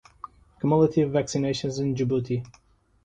Cumulative vaccinations in Djibouti